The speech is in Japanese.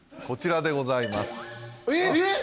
こちらでございますええっ？